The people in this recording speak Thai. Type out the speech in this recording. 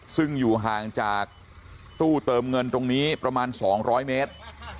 ซึ่งอยู่ห่างจากตู้เติมเงินตรงนี้ประมาณ๒๐๐เมตร